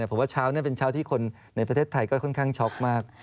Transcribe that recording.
ผมว่าเช้าเป็นเช้าที่คนในประเทศไทยก็ค่อนข้างช็อกมาก